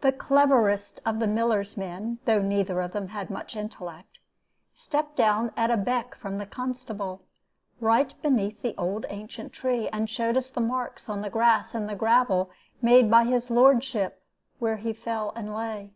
"The cleverest of the miller's men, though, neither of them had much intellect, stepped down at a beck from the constable, right beneath the old ancient tree, and showed us the marks on the grass and the gravel made by his lordship where he fell and lay.